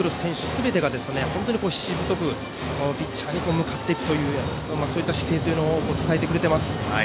すべてがしぶとくピッチャーに向かっていくというそういった姿勢を伝えてくれています。